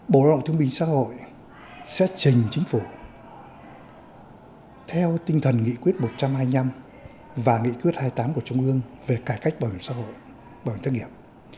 bộ rộng thương minh xã hội sẽ trình chính phủ theo tinh thần nghị quyết một trăm hai mươi năm và nghị quyết hai mươi tám của trung ương về cải cách bảo hiểm xã hội bảo hiểm thất nghiệp